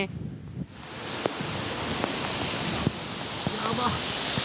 やばっ。